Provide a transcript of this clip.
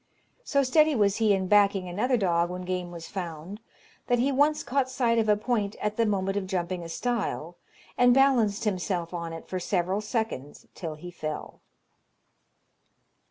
So steady was he in backing another dog when game was found, that he once caught sight of a point at the moment of jumping a stile, and balanced himself on it for several seconds till he fell.